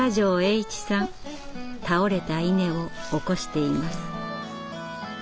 倒れた稲を起こしています。